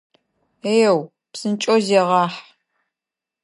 Еу, псынкӏэу зегъахь!